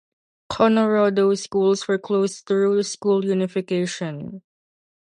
Kanorado schools were closed through school unification.